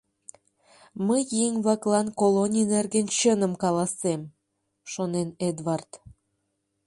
“Мый еҥ-влаклан колоний нерген чыным каласем!” — шонен Эдвард.